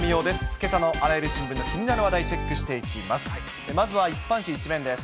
けさのあらゆる新聞の気になる話題、チェックしていきます。